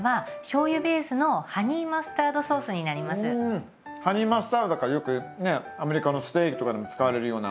うんハニーマスタードだからよくねアメリカのステーキとかでも使われるような。